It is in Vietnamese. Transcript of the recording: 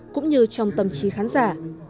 cũng như trong tâm trí khán giả